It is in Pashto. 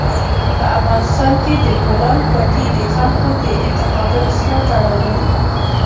په افغانستان کې د بولان پټي د خلکو د اعتقاداتو سره تړاو لري.